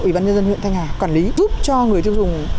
ủy ban nhân dân huyện thanh hà quản lý giúp cho người tiêu dùng